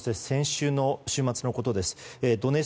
先週の週末のことです。